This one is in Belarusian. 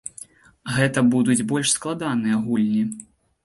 Гэта будуць больш складаныя гульні.